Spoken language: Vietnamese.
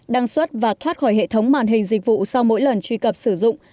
đăng xuất và thoát khỏi hệ thống màn hình dịch vụ sau mỗi lần truy cập sử dụng